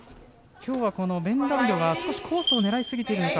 きょうはベンダビドが少しコースを狙いすぎているのか